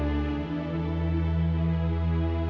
oka dapat mengerti